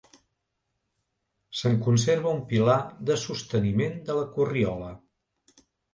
Se'n conserva un pilar de sosteniment de la corriola.